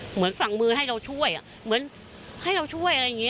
เหมือนฝั่งมือให้เราช่วยเหมือนให้เราช่วยอะไรอย่างนี้